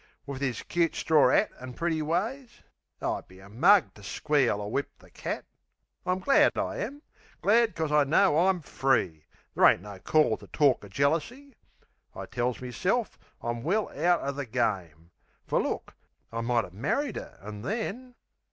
Wiv 'is cute stror 'at an' pretty ways! I'd be a mug to squeal or whip the cat. I'm glad, I am glad 'cos I know I'm free! There ain't no call to tork o' jealousy. I tells meself I'm well out o' the game; Fer look, I mighter married 'er an' then....